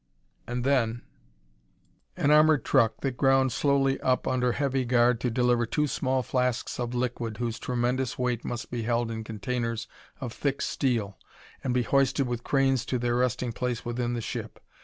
And then An armored truck that ground slowly up under heavy guard to deliver two small flasks of liquid whose tremendous weight must be held in containers of thick steel, and be hoisted with cranes to their resting place within the ship.